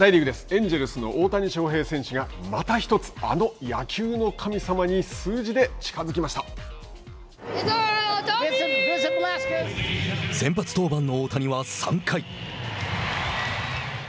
エンジェルスの大谷翔平選手が、また一つ、あの野球の神様に数字先発登板の大谷は３回。